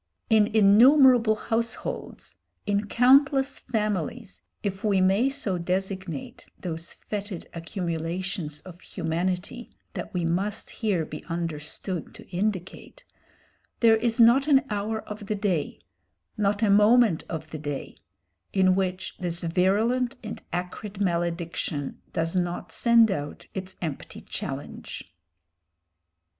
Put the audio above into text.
In innumerable households, in countless families, if we may so designate those fetid accumulations of humanity that we must here be understood to indicate, there is not an hour of the day not a moment of the day in which this virulent and acrid malediction does not send out its empty challenge.